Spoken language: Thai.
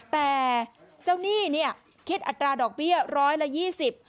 แต่เจ้าหนี้เนี่ยคิดอัตราดอกเบี้ยร้อยละยี่สิบ